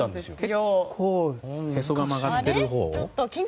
結構へそが曲がっているほう？